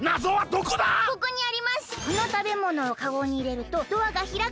「このたべものをカゴにいれるとドアがひらく」